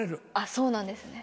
そうなんですね。